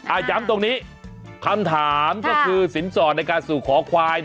ย้ำตรงนี้คำถามก็คือสินสอดในการสู่ขอควาย